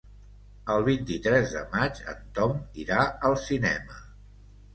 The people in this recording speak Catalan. El vint-i-tres de maig en Tom irà al cinema.